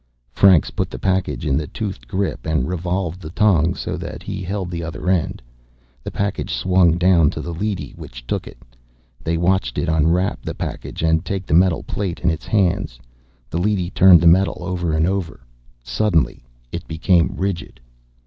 Franks put the package in the toothed grip and revolved the tong so that he held the other end. The package swung down to the leady, which took it. They watched it unwrap the package and take the metal plate in its hands. The leady turned the metal over and over. Suddenly it became rigid.